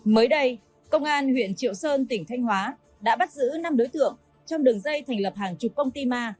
mới đây công an huyện triệu sơn tỉnh thanh hóa đã bắt giữ năm đối tượng trong đường dây thành lập hàng chục công ty ma